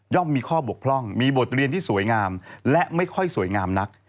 มีข้อบกพร่องมีบทเรียนที่สวยงามและไม่ค่อยสวยงามนัก